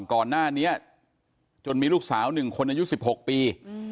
ก่อนหน้านี้จนมีลูกสาว๑คนอายุ๑๖ปี